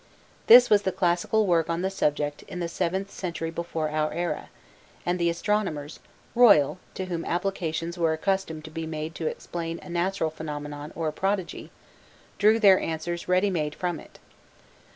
This was the classical work on the subject in the VIIth century before our era, and the astronomers royal, to whom applications were accustomed to be made to explain a natural phenomenon or a prodigy, drew their answers ready made from it.